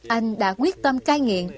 anh đã quyết tâm cai nghiện